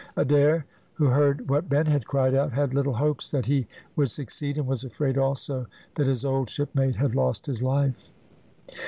Adair, who heard what Ben had cried out, had little hopes that he would succeed, and was afraid also that his old shipmate had lost his life.